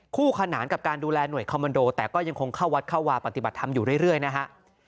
คู่ขนานกับการดูแลหน่วยคอมมันโดแต่ก็ยังคงเข้าวัดเข้าวาปฏิบัติธรรมอยู่เรื่อยนะฮะ